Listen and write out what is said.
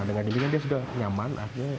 nah dengan impian dia sudah nyaman